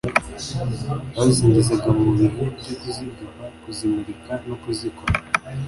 bazisingizaga mu bihe byo kuzigaba, kuzimurika no kuzikwa.